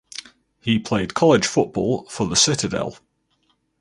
He played college football for The Citadel.